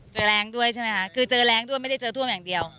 แรงด้วยใช่ไหมคะคือเจอแรงด้วยไม่ได้เจอท่วมอย่างเดียว